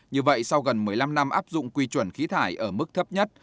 như vậy sau gần một mươi năm năm áp dụng quy chuẩn khí thải ở mức thấp nhất